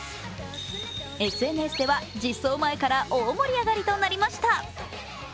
ＳＮＳでは実装前から大盛り上がりとなりました。